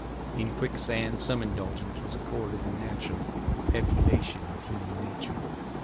In Quicksand some indulgence was accorded the natural ebullition of human nature.